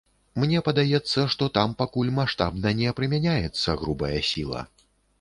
Мне падаецца, што там пакуль маштабна не прымяняецца грубая сіла.